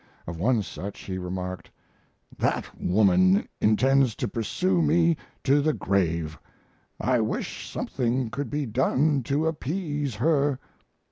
Of one such he remarked: "That woman intends to pursue me to the grave. I wish something could be done to appease her."